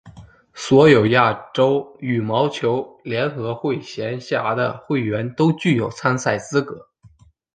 所有亚洲羽毛球联合会辖下的会员都具有参赛资格。